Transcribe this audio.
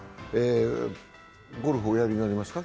ゴルフ、おやりになりますか？